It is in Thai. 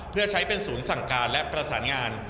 เพื่อใช้เป็นศูนย์สั่งการและประสานงาน